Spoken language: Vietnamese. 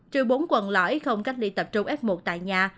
trừ bốn quận lõi không cách ly tập trung f một tại nhà